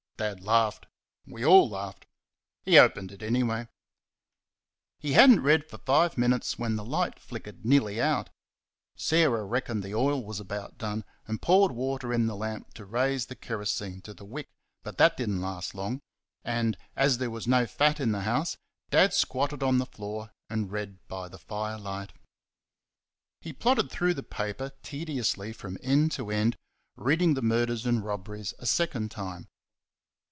Dad laughed. We all laughed. He opened it, anyway. He had n't read for five minutes when the light flickered nearly out. Sarah reckoned the oil was about done, and poured water in the lamp to raise the kerosene to the wick, but that did n't last long, and, as there was no fat in the house, Dad squatted on the floor and read by the firelight. He plodded through the paper tediously from end to end, reading the murders and robberies a second time.